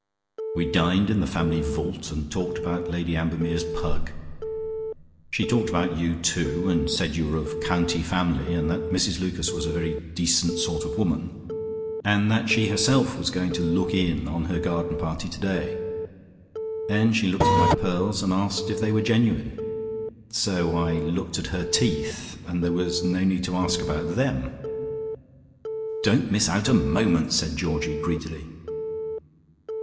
We dined in the family vault and talked about Lady Ambermere's pug. She talked about you, too, and said you were of county family, and that Mrs Lucas was a very decent sort of woman, and that she herself was going to look in on her garden party today. Then she looked at my pearls, and asked if they were genuine. So I looked at her teeth, and there was no need to ask about them." "Don't miss out a moment," said Georgie greedily.